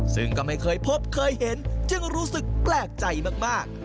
ซึ่งก็ไม่เคยพบเคยเห็นจึงรู้สึกแปลกใจมาก